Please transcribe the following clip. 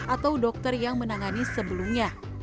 atau dokter yang menangani sebelumnya